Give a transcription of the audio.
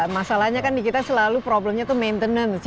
masalahnya kan di kita selalu problemnya itu maintenance